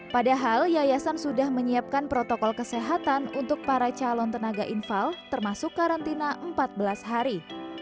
padahal yayasan sudah menyiapkan protokol kesehatan untuk para calon tenaga infal termasuk karantina empat belas hari